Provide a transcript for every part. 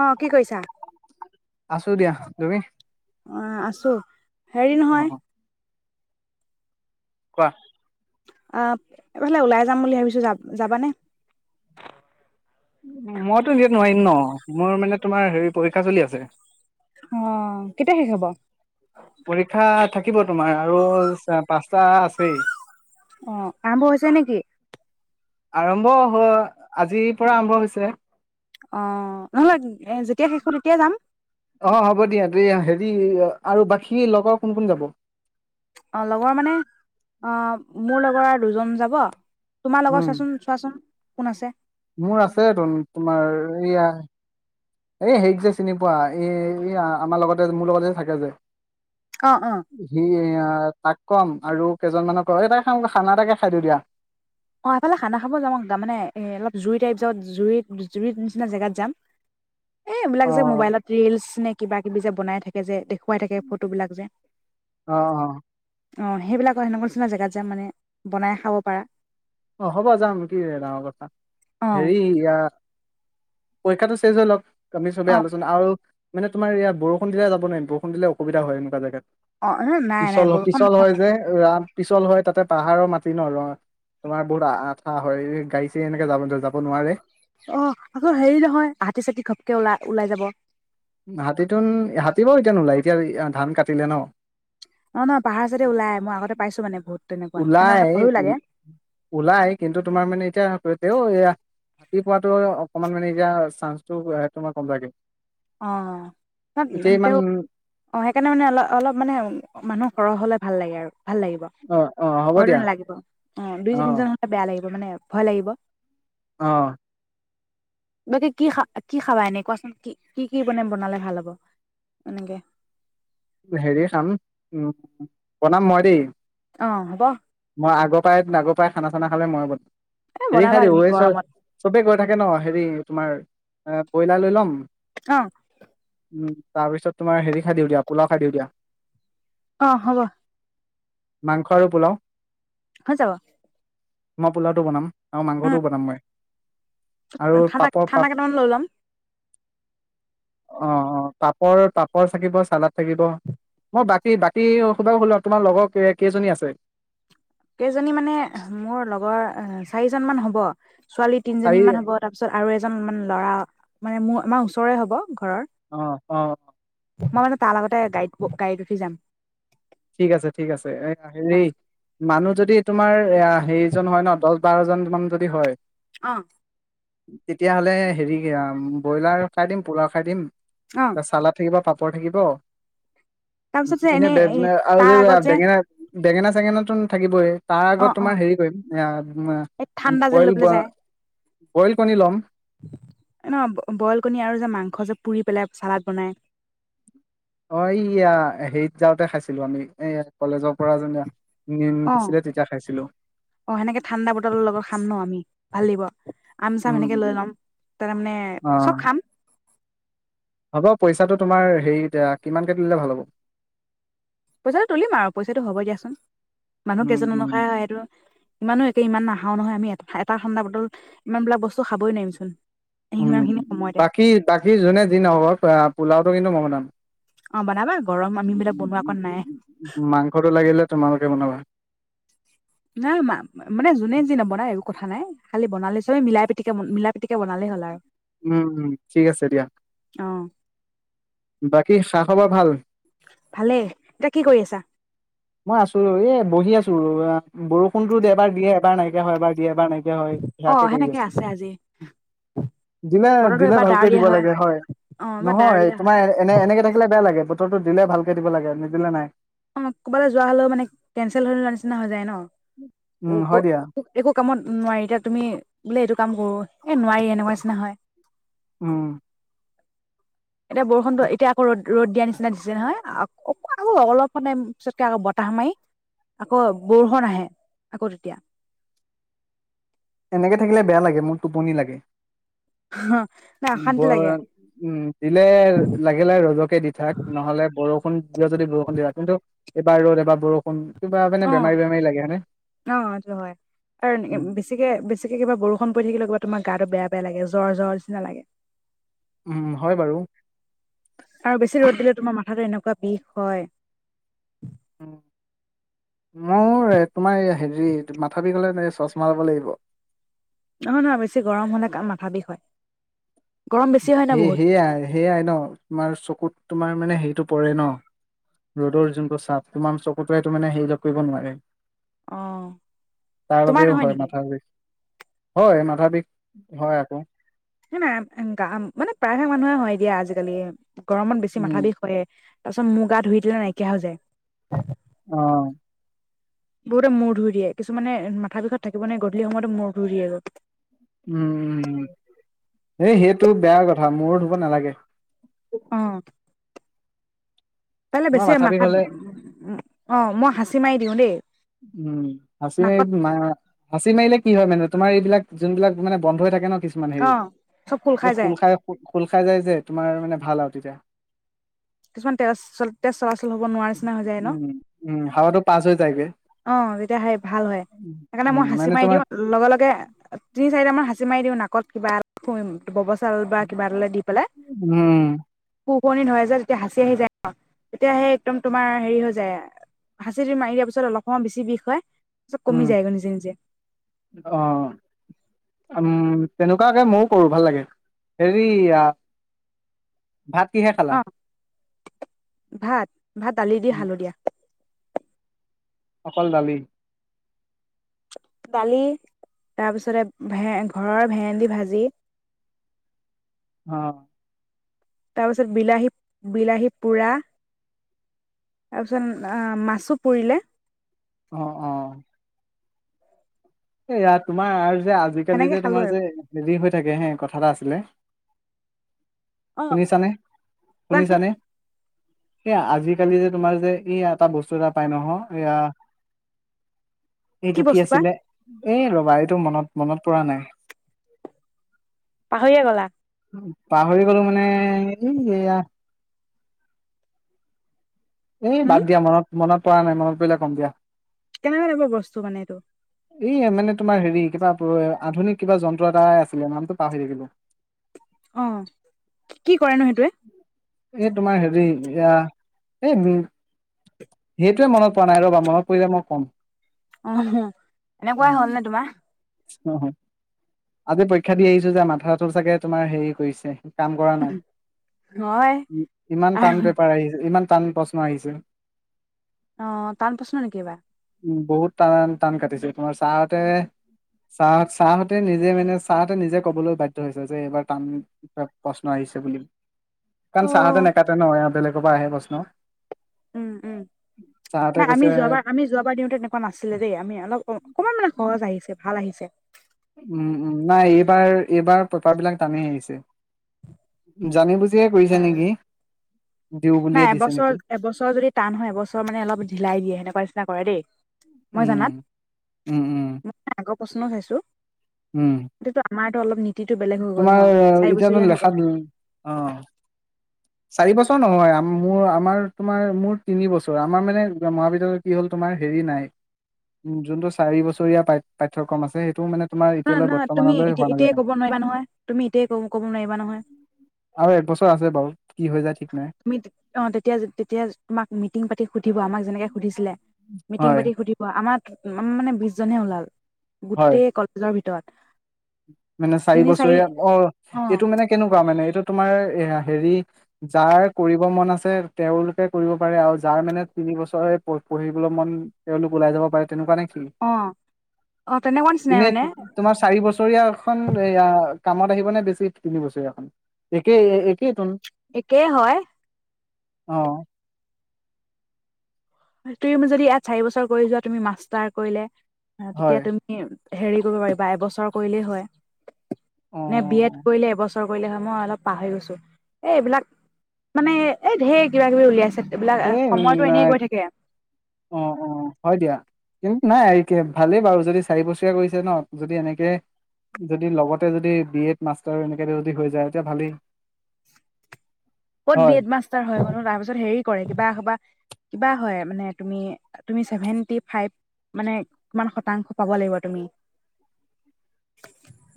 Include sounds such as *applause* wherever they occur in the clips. অ কি কৈইছা আচু দিয়া তুমি অ আছো হেৰি অ নহয়, কোৱা, আহ এইফালে ওলাই যাম বুলি ভাবিছো য যাবানে। মইতো দিয়াত নোৱাৰিম ন মোৰ মানে তোমাৰ হেৰি পৰীক্ষা চলি আছে। অ কেতিয়া শেষ হব, পৰীক্ষা থাকিব তোমাৰ আৰু পাঁচটা আছেই অ আৰম্ভ হৈছে নেকি? আৰম্ভ হ আজিৰ পৰা আৰম্ভ হৈছে। অ নহ'লে এ যেতিয়া শেষো তেতিয়াাই যাম। অ হ'ব দিয়া এই হেৰি আৰু বাকী লগৰ কোন কোন যাব অ লগৰ মানে অ মোৰ লগৰ আৰু দুজন যাব তোমাৰ উম লগত চোৱাচোন চোৱাচোন কোন আছে? মোৰ আছে, তুন-তোমাৰ এয়া এ, হেইক যে চিনি পোৱা, এ, আমাৰ লগতে মোৰ লগতে যে থাকে যে অ অ *unintelligible* তাক ক'ম আৰু কেইজনমানক *unintelligible* খানা এটাকে খাই দিও দিয়া। অ', এফালে খানা খাব যামওঁ তাৰ মানে এ, অলপ জুই টাইপ য জুই জুৰিত নিচিনা জেগাত যাম এ অ এইবিলাক যে মোবাইলত ৰিলচ নে কিবা কিবি যে বনাই থাকে যে দেখো কই থাকে ফটোবিলাক যে অ অ অ', সেইবিলাকৰ সেনেকুৱা নিচিনা জেগাত যে মানে, বনাই খাব পাৰা। অ', হ'বা যাম, কি ডাঙৰ কথা অ হেৰি ইয়া পৰীক্ষাটো চেজ হৈলক। তুমি চবে অ আলোচনা আৰু মানে তোমাৰ ইয়াত বৰষুণ দিলে যাব নোৱাৰিম, বৰষুণ দিলে অসুবিধা হয় এনেকুৱা জাগাত। অ নাই নাই পিছল বৰষুণ পিছল হয় যে, ৰাম পিছল হয় তাতে পাহাৰৰ মাটি ন', ৰ তোমাৰ বহুত আঠা হয়, গাড়ী চাৰি এনেকে যাব যাব নোৱাৰে। অ আকৌ হেৰি নহয় হাতী ছাতি ঘপকে ওলাই ওলাই যাব। হাতীটোন হাতী বাৰু এতিয়া নোলায়, এতিয়া ধান কাটিলে ন। নহ পাহাৰ চাইডে ওলাই, মই আগতে পাইছোঁ মানে বহুত। তেনেকুৱা সেইকাৰণে মানে ওলাই, ভয়ো লাগে ওলাই কিন্তু তোমাৰ মানে এতিয়া তেওঁ এয়া পোৱোটো অকনমান মানে এতিয়া চান্সটো সেইটো কম লাগে। অ', এতিয়া ইমান তেওঁ অ', সেইকাৰণে মানে অলপ, অলপ মানে মানুহ সৰহ হ'লে ভাল লাগে আৰু ভাল লাগিব অ অ হ'ব ঘৰতো দিয়া নালাগিব অ', দুই, অ তিনিজন হ'লে বেয়া লাগিব মানে ভয় লাগিব অ'। বাকী কি খা-কি‌ খাবা এনে কোৱাচোন? কি কি, কি মানে বনালে ভাল হ'ব এনেকে। হেৰি খাম উম, বনাম মই দেই অ', হ'ব। মই আগৰ পাই, আগৰ পাই খানা, চানা খালে ময়ে এ বনাবা তুমি বনা গৰমত *unintelligible* চবে থাকে ন হেৰি তোমাৰ এ, ব্ৰইলাৰ লৈ ল'ম অ' উম, তাৰ পিছত তোমাৰ হেৰি খাই দিওঁ দিয়া, পোলাও খাই দিওঁ দিয়া। অ', হ'ব। মাংস আৰু পোলাও হৈ যাব মই পোলাওটো বনাম আৰু উম মাংসটোও বনাম মই আৰু ঠাণ্ডা পাপৰ পাপ কেইটামান লৈ লম অ অ পাপৰ পাপৰ থাকিব চালাাদ থাকিব মই বাকী বাকী সলো তোমাৰ লগৰ কেইজনী আছে কেইজনী মানে মোৰ লগৰ অ চাৰিজন মান হ'ব ছোৱালী চাৰি তিনিজনী মান হব তাৰ পিছত আৰু এজন মান ল'ৰা মানে মোৰ আমাৰ ওচৰে হ'ব ঘৰৰ অ অ মই মানে তাৰ লগতে গাড়ী গাড়ীত উঠি যাম ঠিক আছে ঠিক আছে এ অ হেৰি মানুহ যদি তোমাৰ অ সেইজন হয় ন দল বাৰজন মান যদি হয় অ তেতিয়াহ'লে হেৰি ব্ৰইলাৰ খাই দিম পোলাও খাই দিম অ ত চালাত থাকিব প ও পৰ থাকিব তাৰ পাছতে এনেই এই তাৰ আৰুযে আগত যে টেঙা বেঙেনা চেঙেনাটো থাকিবই তাৰ অ আগত অ তোমাৰ হেৰি কৰিম এই ঠাণ্ডা যে লৈ বইল পেলাই যায় বইল কণী ল'ম ন বইল কণী আৰু যে মাংস যে পুৰি পেলাই ছালাড বনাই অ এইয়া হেৰিত যাওঁতে খাইছিলো আমি এই কলেজক অ খাইছিলো অ সেনেকে ঠাণ্ডা বটলৰ লগত খাম ন আমি ভাল লাগিব আম চাম সেনেকে লৈ উম লম তাৰমানে অ চব খাম হ'ব পইচাটো তোমাৰ হেৰি কিমানকে তুলিলে ভাল হ'ব পইচাটো তুলিম আৰু পইচাটো হ'ব দিয়াচোন মানুহ উম কেইজন উম অনুসায় হয় সেইটো ইমানো একে ইমান নাখাও নহয় আমি এটা খডাৰ বদল ইমান বিলাক বস্তু খাবই নোৱাৰিমচোন উম সিমান খিনি সময়তে বাকী বাকী যোনে দিন পোলাওটো কিন্তু মগ অম অ বনাবা গৰম আমি বিলাক বনোৱা কণ নাই মাংসটো লাগিলে তোমালোকে বনাবা নাই মা মানে যোনে যি নবনাই একো কথা নাই খালি বনালে চবে মিলাই পিটিকে মিলা উম -উম ঠিক আছে দিয়া। অ বাক কি খা-খবৰ ভাল? ভালেই। এতিয়া কি কৰি আছা? মই আছো। এ বহি আছো ৰবা বৰষুণতো এবাৰ দিয়ে। এবাৰ নাই। হয় এবাৰ দিয়ে এবাৰ নিদি হয় অ সেয়াকে কৰি সেনেকে আছো। আছে আজি দিলে বতৰটো -দিলে এবাৰ ভালকে ডাৱৰীয়া দিব লাগে হয়। অ এবাৰ নহয় ডাৱৰীয়া হয় -তোমাৰ এনে এনেকে থাকিলে বেয়া লাগে। বতৰটো দিলে ভালকে দিব লাগে আৰু নিদিলে নাই। অ ক'ৰবালে যোৱা হলেও মানে কেনচেল হৈ যোৱা নিচিনা হৈ যায় উম, ন হয় দিয়া একো কামত নোৱাৰি এতিয়া তুমি বোলে এইটো কাম কৰো এ নোৱাৰি এনেকুৱা নিচিনা হয় উম এতিয়া বৰষুণটো এতিয়া আকৌ ৰদ ৰ'দ দিয়া নিচিনা দিছে নহয়। অকমান আকৌ অলপমান পিছতকে আকৌ বতাহ মাৰি আকৌ বৰষুণ আহে আকৌ তেতিয়া এনেকে থাকিলে বেয়া লাগে মোৰ টোপনি লাগে। নাই অশান্তি লাগে উম। দিলে লাগিলে ৰদকে দি থাক নহ'লে বৰষুণ দিয় যদি বৰষুণ দিয়াক কিন্তু এইবাৰ ৰ'দ। এবাৰ বৰষুণ। কিবা মানে অ বেমাৰী বেমাৰী লাগে হয়নে? অ সেটো হয় আৰু বেছিকে বেছি বাকী কিবা বৰষুণ পৰি থাকিলেও কিবা তোমাৰ গাটো বেয়া বেয়া লাগে জ্বৰ- জ্বৰ নিচিনা লাগে। উম হয় বাৰু আৰু বেছি ৰ'দ দিলে তোমাৰ মাথাতো এনেকুৱা বিষ হয় উ মোৰ তোমাৰ হেৰি মাথা বিষ হলে তোমাৰ চচমা লব লাগিব। নহয় -নহয়। বেছি গৰম হলে মাথা বিষ হয়। গৰম বেছি হয় ন সেই বহুত সেয়াই সেইয়াই ন তোমাৰ চকুত তোমাৰ মানে সেইটো পৰে ন? ৰ'দৰ যোনটো চাপ তোমাৰ চকুতোৱেটো মানে হেই কৰিব নোৱাৰে। অ তাৰ তোমাৰ বাবেও নহয় হয় নেকি মাথা বিষ। হয় মাথাবিষ হয় আকৌ। হে না গা মানে প্ৰায়ভাগ মানুহে হয় দিয়া আজিকালি গৰমত বেছি মাথা উম বিষ হয়ে। তাৰপাছত মূৰ গা ধুই দিলে নাইকিয়া হৈ যায় অ বহুতে মূৰ ধুই দিয়ে কিছুমানে মাথা বিষত থাকিব নে গধূলি সময়তো মূৰ ধুই দিয়ে গৈ। উম- উম এই সেইটো বেয়া কথা। মূৰ ধুব নালাগে। কাইলৈ তোমাৰ বেছি মাথা বিষ মাথাত। হলে অ মই হাঁচি মাৰি দিওঁ দেই। উম, হাচি নাকত মাৰি-মা হাচি মাৰিলে কি হয় মান তোমাৰ এইবিলাক যোনবিলাক মানে বন্ধ হৈ থাকে ন কিছুমান হেৰি অ', চব এইটো যায় খোল খাই খোলখাই যায় যে, তোমাৰ মানে ভাল আৰু তেতিয়া। কিছুমান তেজ-তেজ চলাচল হ'ব নোৱাৰা নিচিনা হৈ যায় ন? উম উম হাৱাটো পাছ হৈ যায়গে অ', যেতিয়া হেই ভাল হয়, সেইকাৰণে মই উম হাঁচি মানে মাৰি তোমাৰ দিওঁ লগে, লগে তিনি, চাৰিটা মান হাঁচি মাৰি দিওঁ নাকত কিবা শুই *unintelligible* বা কিবা এডালে দি পেলাই উম পোৱণি ধৰে যে, যেতিয়া হাঁচি আহি যায় আৰু তেতিয়া‌ সেই একদম তোমাৰ হেৰি হৈ যায় হাঁচিটো মাৰি দিয়া পিছত অলপ অ', বেছি বিষ হয়। চব কমি উম যায় গৈ নিজে, নিজে। অ উম, তেনেকুৱাকে ময়ো কৰোঁ ভাল লাগে, হেৰি‌ আ অ', ভাত, ভাত দালি দি খালো দিয়া। অকল দালি? দালি তাৰপিছতে ভে, ঘৰৰ ভেন্দি ভাজি। অ'। তাৰপিছত বিলাহী, বিলাহী পোৰা তাৰপিছত আ, মাছো পুৰিলে। অ', অ'। এৰা তোমাৰ যে, আজিকালি সেনেকে যে, খালো তোমাৰ আৰু যে, হেৰি হৈ থাকে হে কথা এটা আছিলে অ শুনিছানে, কোৱাচোন শুনিছানে? এয়া আজিকালি যে, তোমাৰ যে, এই এটা বস্তু এটা পাই নহয় এয়া সেইটো কি বস্তু বা আছিলে? এ, ৰ'বা এইটো মনত, মনত পৰা নাই। পাহৰিয়ে গ'লা? পাহৰি গ'লো মানে এই এয়া এ, উম বাদ দিয়া মনত মনত পৰা নাই মনত পৰিলে কম দিয়া। কেনেকা টাইপৰ বস্তু মানে এইটো? এই মানে তোমাৰ হেৰি কিবা আধুনিক, কিবা যন্ত্ৰ এটা আছিলে নামতটো পাহৰি থাকিলোঁ। অ', কি কৰে নো সেইটোৱে? এই তোমাৰ হেৰি এইয়া এই উম, হেইটোৱে মনত পৰা নাই ৰ'বা মনত পৰিলে মই কম। অহ, এনেকুৱাই হ'ল নে তোমাৰ? অ', আজি পৰীক্ষা দি আহিছো যে, মাথাটো চাগে তোমাৰ হেৰি কৰিছে কাম কৰা নাই। হয় উ ইমান টান পেপাৰ আহিলে ইমান টান প্ৰশ্ন আহিছে অ টান প্ৰশ্ন নেকিবা উম বহুত টান টান কাটিছে তোমাৰ ছাৰতে ছা ছাৰহতে নিজে মানে ছাৰহঁতে নিজে কবলৈ বাধ্য হৈছে যে এইবাৰ টান প্ৰশ্ন আহিছে বুলি কাৰণ চাৰহঁতে উম নাকাটে নহয় বেলেগ ক পৰা আহে প্ৰশ্ন উম উম ছাৰহতে নাই কৈছে আমি যোৱাবাৰ আমি যোৱাবাৰ দিওঁতে এনেকুৱা নাছিলে দেই আমি অলপ অকনমান মানে সহজ আহিছে ভাল আহিছে *unintelligible* উম উম নাই এইবাৰ এইবাৰ পেপাৰ বিলাক টানি আহিছে জানি বুজি অ বুলিয়ে নাই দিছে এবছৰ নেকি এবছৰ যদি টান হয় এবছৰ মানে অলপ ঢিলাই দিয়ে সেনেকুৱা চনা কৰা দেই মই উম, জানাত উম, উম, ম আগ প্ৰশ্ন খাইছোঁ উম, সেইটো আমাৰ অলপ নি তোমাৰ এতিয়া লেখাত অ চাৰি বছৰ নহয় মোৰ আমাৰ তোমাৰ মোৰ তিনি বছৰ আমাৰ মানে মহাবিদ্যালয় কি হ'ল তোমাৰ হেৰি নাই যোনটো চাৰি বছৰীয়া পাঠ্যক্ৰম আছে সেইটো মানে তোমাৰ নহ এতিয়ালৈ নহ তুমি বৰ্তমানলৈ এতিয়া হোৱা এতিয়াই নাজানে। কব নোৱাৰিবা নহয় তুমি এতিয়াই ক কব নোৱাৰিবা নহয় আৰু একবছৰ আছে বাৰু কি হৈ যায় ঠিক নাই তুমি অ তেতিয়া তেতিয়া তোমাক মিটিং পাতি সুধিব আমাক যেনেকে সুধিছিলে মিটিং পাতি হয় সুধিব আমাক উ মানে বিশ জনে ওলাল হয় গোটেই কলেজৰ ভিতৰত মানে চাৰি বছৰীয়া অ অ এইটো মানে কেনেকুৱা মানে এইটো তোমাৰ এ হেৰি যাৰ কৰিব মন আছে তেওঁলোকে কৰিব পাৰে আৰু যাৰ মানে তিনি বছৰে পঢ়িবলৈ মন তেওঁওলোক ওলাই যাব পাৰে তেনেকুৱা নে অ অ তেনেকুৱা নিচিনাই এনে মানে তোমাৰ চাৰি বছৰ খন এয়া কামত আহিব নে বেছি তিনি বছৰীয়াখন একেই একেইতোন একেই হয় অ তুমি যদি ইয়াত চাৰি বছৰ কৰি যোৱা তুমি মাষ্টাৰ কৰিলে অ তেতিয়া হয় তুমি হেৰি কৰিব পাৰিবা এবছৰ কৰিলেই হয় অ নে বি এড কৰিলে এবছৰ কৰিলে হয় মই অলপ পাহৰি গৈছোঁ এই এইবিলাক মানে এই ধেই কিবা কিবি উলিয়াইছে এইবিলাক সময়তো এনে এই গৈ থাকে অ অ হয় দিয়া কিন্তু নাই ভালেই বাৰু যদি চাৰি বছৰীয়া কৰিছে ন যদি এনেকে যদি লগতে যদি বি এড মাষ্টাৰ এনেকে যদি হৈ যায় তেতিয়া ভালেই ক'ত বি হয় এড মাষ্টাৰ হয় কো তাৰপিছত হেৰি কৰে কিবা কিবা হয় মানে তুমি চেভেনটি ফাইপ মানে কিমান শতাংশ পাব লাগিব তুমি।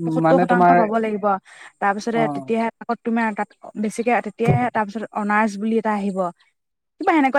উম, পশত্তোৰ মানে শতাংশ তোমাৰ পাব লাগিব তাৰ পিছতে অ'। তেতিয়াহে আকৌ তোমাৰ তাত বেছিকে আতা এতিয়া তাৰপিছত অনাৰ্ছ বুলি এটা আহিব কিবা এনেকুৱা ধে